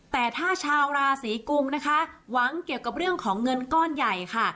แต่ถ้าชาวราศีกุมนะคะหวังเกี่ยวกับเรื่องของเงินก้อนใหญ่ค่ะ